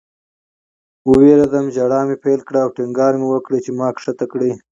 ووېرېدم. ژړا مې پیل کړه او ټینګار مې کاوه چې ما ښکته کړئ